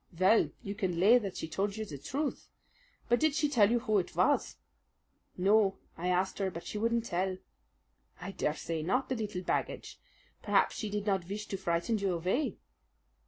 "Vell, you can lay that she told you truth. But did she tell you who it vas?" "No, I asked her; but she wouldn't tell." "I dare say not, the leetle baggage! Perhaps she did not vish to frighten you avay."